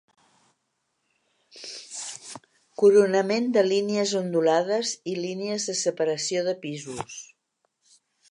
Coronament de línies ondulades i línies de separació de pisos.